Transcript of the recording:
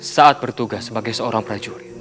saat bertugas sebagai seorang prajurit